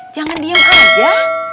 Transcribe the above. jangan diem aja